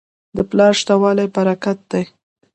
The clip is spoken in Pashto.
د پلار شته والی برکت دی.